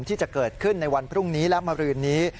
ที่จะเกิดขึ้นในวันพรุ่งนี้และมารืนนี้